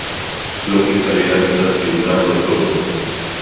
לא כי חלילה מצב בריאותם לא טוב